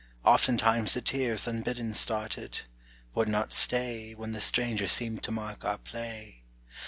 Oftentimes the tears unbidden started, Would not stay When the stranger seemed to mark our play.